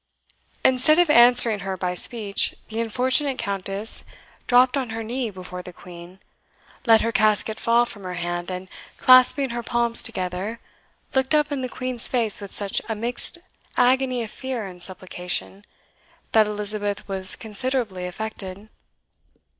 Instead of answering her by speech, the unfortunate Countess dropped on her knee before the Queen, let her casket fall from her hand, and clasping her palms together, looked up in the Queen's face with such a mixed agony of fear and supplication, that Elizabeth was considerably affected.